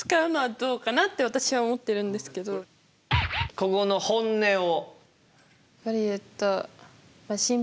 ここの本音を。